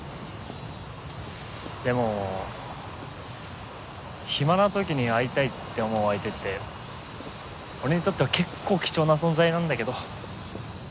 でも暇な時に会いたいって思う相手って俺にとっては結構貴重な存在なんだけど。